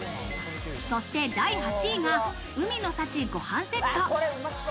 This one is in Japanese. そして、第８位が海の幸御飯セット。